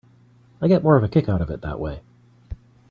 I get more of a kick out of it that way.